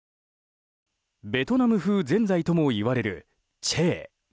ベトナム風ぜんざいともいわれるチェー。